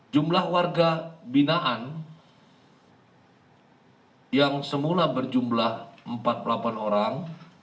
jumlah warga binaan yang semula berjumlah empat puluh delapan orang